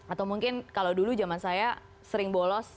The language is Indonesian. atau mungkin kalau dulu zaman saya sering bolos